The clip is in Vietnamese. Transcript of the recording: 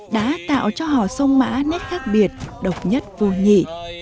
dạo cho hò sông mã nét khác biệt độc nhất vô nhị